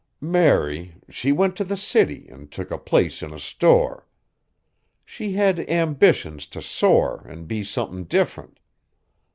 Mary, she went t' the city an' took a place in a store. She had ambitions t' soar an' be somethin' different.